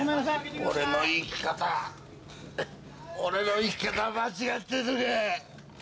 俺の生き方俺の生き方は間違ってるのか！